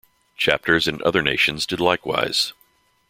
Chapters in other nations did likewise.